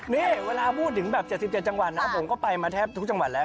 นี่เวลาพูดถึงแบบ๗๗จังหวัดนะผมก็ไปมาแทบทุกจังหวัดแล้ว